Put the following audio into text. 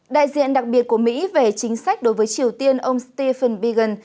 đại diện đặc biệt của mỹ về chính sách đối với triều tiên ông stephen paegan